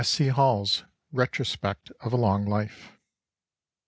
C. Hall's Retrospect of a Long Life.